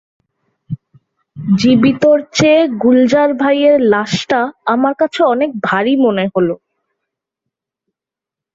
জীবিতর চেয়ে গুলজার ভাইয়ের লাশটা আমার কাছে অনেক ভারী মনে হলো।